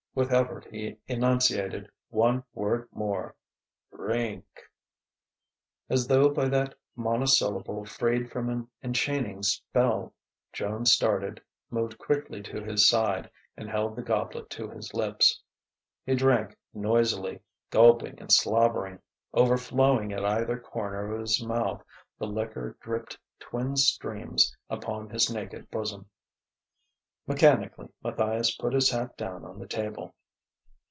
With effort he enunciated one word more: "Drink...." As though by that monosyllable freed from an enchaining spell, Joan started, moved quickly to his side and held the goblet to his lips. He drank noisily, gulping and slobbering; overflowing at either corner of his mouth, the liquor dripped twin streams upon his naked bosom. Mechanically Matthias put his hat down on the table.